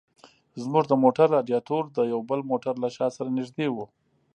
زموږ د موټر رادیاټور د یو بل موټر له شا سره نږدې و.